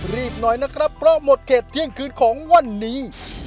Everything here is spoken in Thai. หน่อยนะครับเพราะหมดเขตเที่ยงคืนของวันนี้